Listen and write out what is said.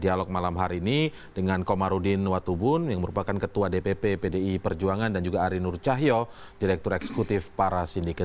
dialog malam hari ini dengan komarudin watubun yang merupakan ketua dpp pdi perjuangan dan juga ari nur cahyo direktur eksekutif para sindiket